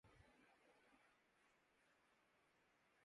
رقم ہو جس کی پیشانی پہ اک آیت بشارت سی